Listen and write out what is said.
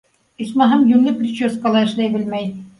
Исмаһам, йүнле прическа ла эшләй белмәй.